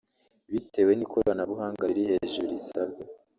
bitewe ni ikoranabuhanga riri hejuru risabwa